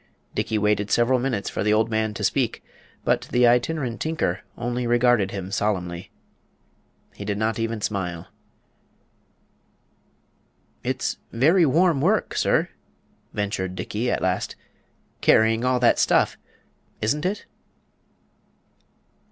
Dickey waited several minutes for the old man to speak; but the Itinerant Tinker only regarded him solemnly. He did not even smile. "It's very warm work, sir," ventured Dickey, at last, "carrying all that stuff isn't it?"